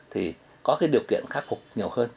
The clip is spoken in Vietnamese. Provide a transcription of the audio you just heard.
thì có cái điều kiện khắc phục nhiều hơn